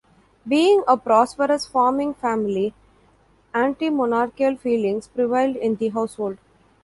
Being a prosperous farming family, anti-monarchical feelings prevailed in the household.